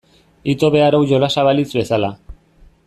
Ito behar hau jolasa balitz bezala.